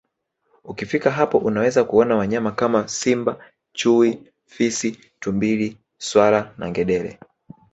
Ukifika hapo unaweza kuona wanyama kama Simba Chui Fisi Tumbili swala na ngedele